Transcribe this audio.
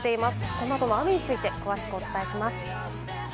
このあと、雨について詳しくお伝えします。